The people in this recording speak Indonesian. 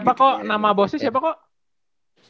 siapa kok nama bosnya siapa kok